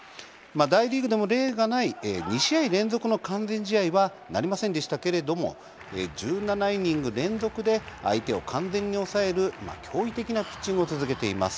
大リーグでも例がない２試合連続の完全試合はなりませんでしたけれども１７イニング連続で相手を完全に抑える驚異的なピッチングを続けています。